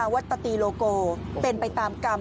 โอ้โหพี่ปุ๊ยคุณผู้ชมค่ะ